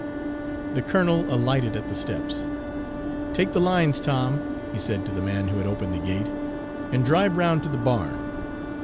The colonel alighted at the steps. "Take the lines, Tom," he said to the man who had opened the gate, "and drive round to the barn.